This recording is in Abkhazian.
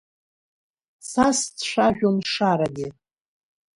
Цас дцәажәон Шарагьы.